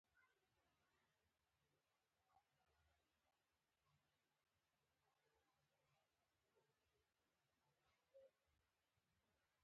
ساګ درنه وړی دی سیلۍ سالکه